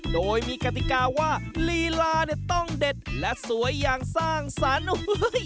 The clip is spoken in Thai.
โดยมีกติกาว่าลีลาเนี่ยต้องเด็ดและสวยอย่างสร้างสรรค์